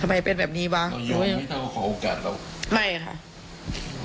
ทำไมได้เป็นแบบนี้หรือไม่รู้